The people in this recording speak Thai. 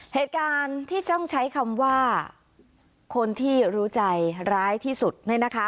เหตุการณ์ที่ต้องใช้คำว่าคนที่รู้ใจร้ายที่สุดเนี่ยนะคะ